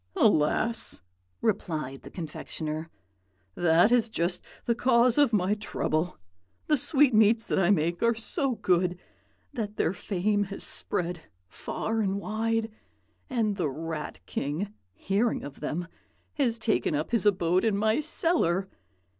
"'Alas!' replied the confectioner. 'That is just the cause of my trouble. The sweetmeats that I make are so good that their fame has spread far and wide, and the Rat King, hearing of them, has taken up his abode in my cellar.